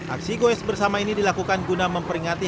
aksi goes bersama ini dilakukan guna memperingati